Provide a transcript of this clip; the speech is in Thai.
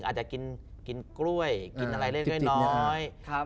อาจจะกินกล้วยกินอะไรเล็กน้อย